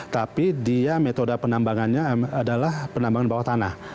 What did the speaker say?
tapi dia metode penambangannya adalah penambangan bawah tanah